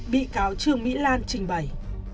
bị cáo trương mỹ lan trình bày